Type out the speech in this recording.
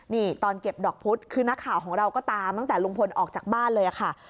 นี่ตอนเก็บดอกพุธคือนักข่าวของเราก็ตามตั้งแต่ลุงพลออกจากบ้านเลยค่ะ